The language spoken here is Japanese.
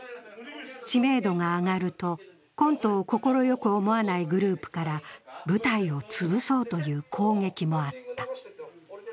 知名度が上がると、コントを快く思わないグループから舞台を潰そうという攻撃もあった。